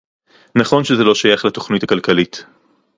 נכון שזה לא שייך לתוכנית הכלכלית